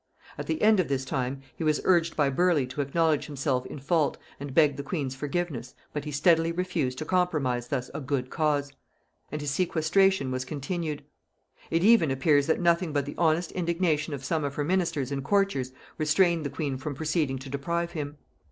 At the end of this time he was urged by Burleigh to acknowledge himself in fault and beg the queen's forgiveness but he steadily refused to compromise thus a good cause, and his sequestration was continued. It even appears that nothing but the honest indignation of some of her ministers and courtiers restrained the queen from proceeding to deprive him.